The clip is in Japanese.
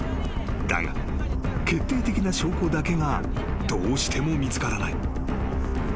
［だが決定的な証拠だけがどうしても見つからない］